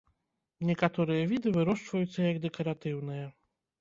Некаторыя віды вырошчваюцца як дэкаратыўныя.